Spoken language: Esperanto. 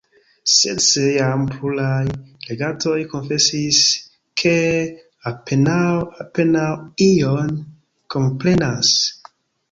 Sed se jam pluraj legantoj konfesis, ke apenaŭ ion komprenas?